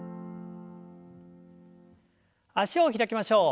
脚を開きましょう。